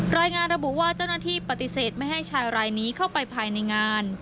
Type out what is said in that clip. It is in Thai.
รายงานระบุว่าเจ้าหน้าที่ปฏิเสธไม่ให้ชายรายนี้เข้าไปภายในงาน